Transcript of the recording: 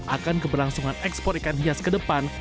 akan keberlangsungan ekspor ikan hias ke depan